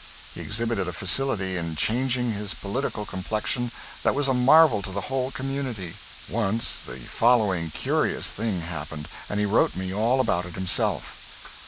He exhibited a facility in changing his political complexion that was a marvel to the whole community. Once the following curious thing happened, and he wrote me all about it himself.